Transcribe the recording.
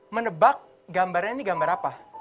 menebak gambarnya ini gambar apa